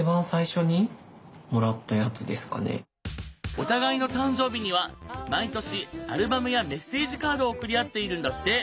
お互いの誕生日には毎年アルバムやメッセージカードを送り合っているんだって。